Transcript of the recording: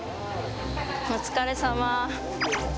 お疲れさま。